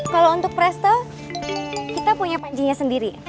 kalau untuk pere stoh kita punya pajinya sendiri